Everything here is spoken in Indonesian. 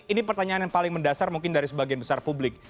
ini pertanyaan yang paling mendasar mungkin dari sebagian besar publik